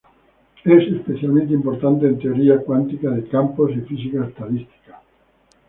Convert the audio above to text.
Es especialmente importante en teoría cuántica de campos y física estadística.